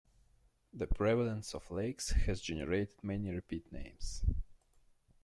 The prevalence of lakes has generated many repeat names.